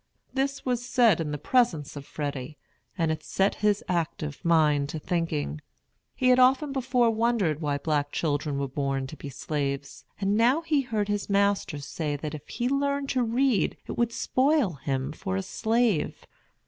This was said in the presence of Freddy, and it set his active mind to thinking. He had often before wondered why black children were born to be slaves; and now he heard his master say that if he learned to read it would spoil him for a slave.